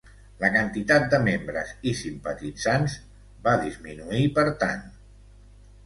La quantitat de membres i simpatitzants va disminuir per tant.